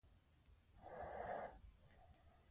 زه به د اندېښنو د کمولو لپاره ځانګړی وخت وټاکم.